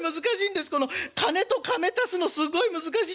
カネとかめ足すのすごい難しい。